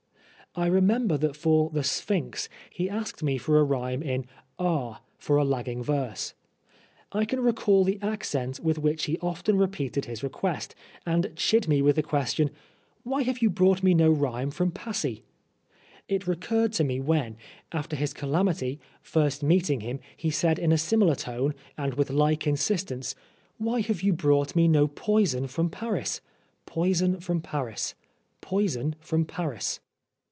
I remember that for " The Sphynx " he asked me for a rhyme in * ar ' for a lagging verse. I can recall the accent with which he often repeated his request, and chid me with the question " Why have you brought me no rhyme from Passy?" It recurred to Oscar Wilde me when, after his calamity, first meeting him, he said in a similar tone and with like insistance, "Why have you brought me no poison from Paris? poison from Paris poison from Paris?"